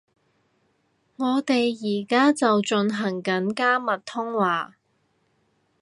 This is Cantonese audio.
我哋而家就進行緊加密通話